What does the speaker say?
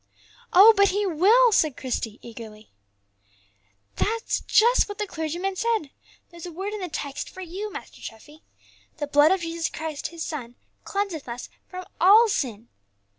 "Oh! but He will," said Christie, eagerly; "that's just what the clergyman said; there's a word in the text for you, Master Treffy: 'The blood of Jesus Christ, His Son, cleanseth us from all sin.'